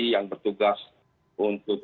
yang bertugas untuk